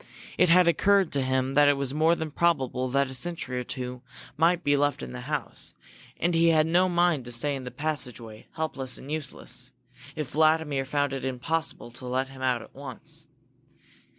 It had occurred to him that it was more than probable that a sentry or two might be left in the house, and he had no mind to stay in the passageway, helpless and useless, if Vladimir found it impossible to let him out at once.